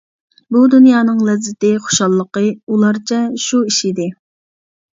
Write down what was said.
بۇ دۇنيانىڭ لەززىتى خۇشاللىقى ئۇلارچە شۇ ئىش ئىدى.